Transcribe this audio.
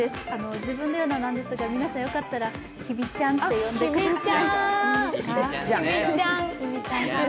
自分で言うのはなんですが、皆さんによかったら日比ちゃんって呼んでください。